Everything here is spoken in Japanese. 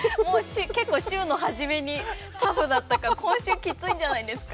結構、週の初めにタフだったから今週きついんじゃないですか？